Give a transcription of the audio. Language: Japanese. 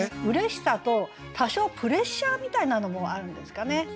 うれしさと多少プレッシャーみたいなのもあるんですかね。